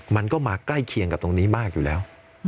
มันก็มาใกล้เคียงกับตรงนี้มากอยู่แล้ว